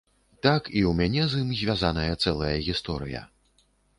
Так, і ў мяне з ім звязаная цэлая гісторыя.